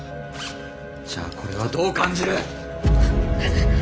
じゃあこれはどう感じる⁉